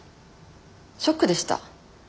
ショックでした。